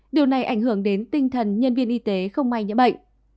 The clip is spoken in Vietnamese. điều này ảnh hưởng đến tinh thần nhân viên y tế không may nhiễm bệnh